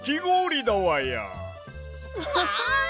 わあ！